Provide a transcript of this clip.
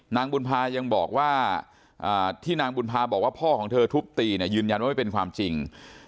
นางบุญภายังบอกว่าที่นางบุญภาบอกว่าพ่อของเธอทุบตีเนี่ยยืนยันว่าไม่เป็นความจริง